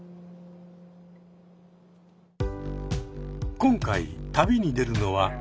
今回旅に出るのはこの人。